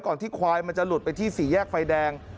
ที่ควายมันจะหลุดไปที่สี่แยกไฟแดง